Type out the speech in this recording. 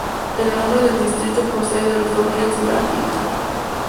El nombre del distrito procede de los dos ríos Lahn y el Dill.